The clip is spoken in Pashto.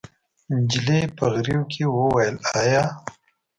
نجلۍ په غريو کې وويل: ابا!